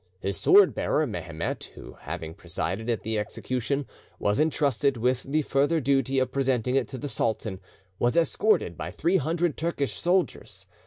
His sword bearer Mehemet, who, having presided at the execution, was entrusted with the further duty of presenting it to the sultan, was escorted by three hundred Turkish soldiers.